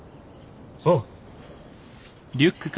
おう。